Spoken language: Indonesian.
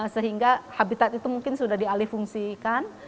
sehingga habitat itu mungkin sudah dialih fungsi kan